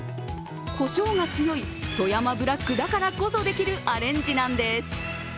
こしょうが強い富山ブラックだからこそできるアレンジなんです。